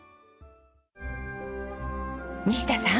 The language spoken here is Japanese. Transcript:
西田さん。